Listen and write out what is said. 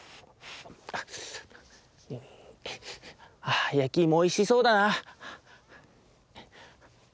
あやきいもおいしそうだな。